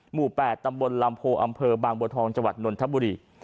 หมู่๘ตำบลลำโพอำเภอบางบัวทองจังหวัดนนทบุรี